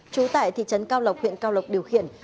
trú tại thị trấn cao lộc huyện cao lộc điều khiển